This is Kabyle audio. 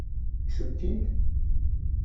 Kksent-t-id?